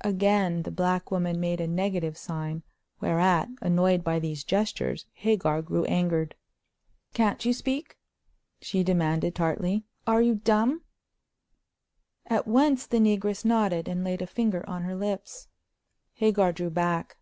Again the black woman made a negative sign, whereat, annoyed by these gestures, Hagar grew angered. "Can't you speak?" she demanded, tartly. "Are you dumb?" At once the negress nodded, and laid a finger on her lips. Hagar drew back.